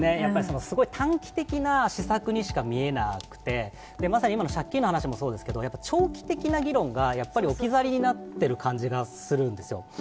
短期的な施策にしか見えなくてまさに借金の話もそうですけど長期的な議論が置き去りになっている感じがするんですよ。